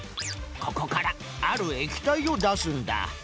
ここからある液体をだすんだ。